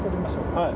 はい。